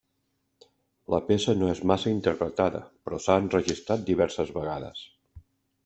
La peça no és massa interpretada però s'ha enregistrat diverses vegades.